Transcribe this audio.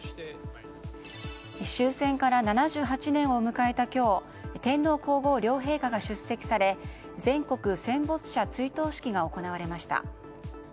終戦から７８年を迎えた今日天皇・皇后両陛下が出席され全国戦没者追悼式が行われました。